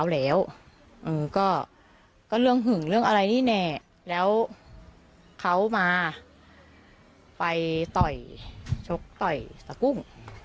แล้วเขามาไปต่อยชกต่อยสะกุ้ง